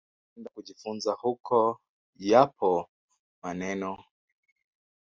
muda wa kwenda kujifunza huko Yapo maneno